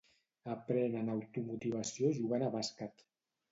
Aprenen automotivació jugant a bàsquet.